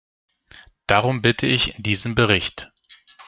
Darum bitte ich in diesem Bericht.